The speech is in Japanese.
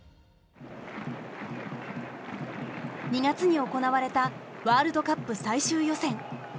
２月に行われたワールドカップ最終予選。